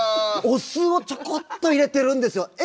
お酢をちょこっと入れてるんですよ。